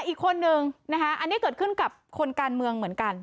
อีกคนนึงนะคะอันนี้เกิดขึ้นกับคนการเมืองเหมือนกัน